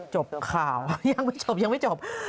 จบข่าวยังไม่จบ